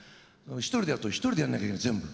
一人でやると一人でやんなきゃいけない全部。